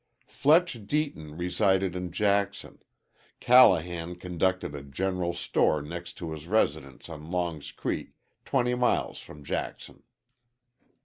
Fletch Deaton resided in Jackson; Callahan conducted a general store next to his residence on Long's Creek, twenty miles from Jackson.